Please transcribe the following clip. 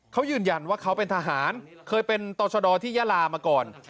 เขายืนยันว่าเขาเป็นทหารเคยเป็นต่อชะดอที่ยาลามาก่อน